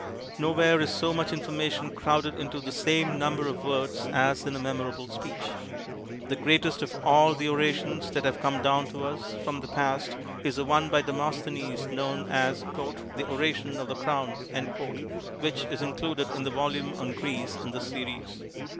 Nowhere is so much information crowded into the same number of words as in a memorable speech. The greatest of all the orations that have come down to us from the past is the one by Demosthenes, known as "The Oration on the Crown," which is in cluded in the volume on Greece in this series.